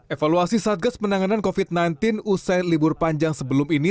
evaluasi satgas penanganan covid sembilan belas usai libur panjang sebelum ini